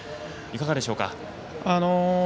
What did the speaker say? いかがでしょうか？